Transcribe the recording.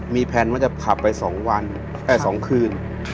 มีแผนว่าจะขับไป๒คืน